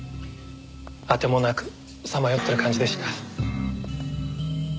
当てもなくさまよってる感じでした。